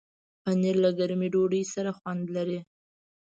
پنېر له ګرمې ډوډۍ سره خوند لري.